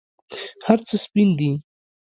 هرڅه سپین دي